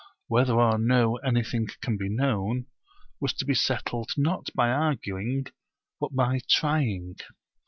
whether or no anything can be known, was to be settled not by arguing, but by trying.